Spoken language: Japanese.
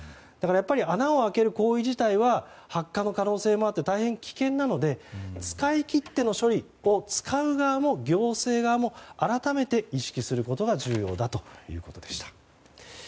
穴を開ける行為自体は発火の可能性があって大変危険なので使い切っての処理を使う側も行政側も改めて意識することが重要だということでした。